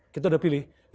kita udah pilih